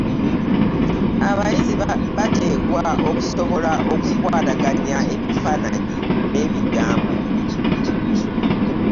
Abayizi bateekwa okusobola okukwataganya ebifaananyi n’ebigambo.